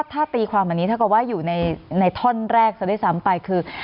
ถ้าตีความแบบนี้ถ้าก็ว่าอยู่ในท่อนแรกจะได้ซ้ำไปคือ